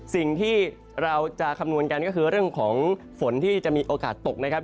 สิ่งที่เราจะคำนวณกันก็คือเรื่องของฝนที่จะมีโอกาสตกนะครับ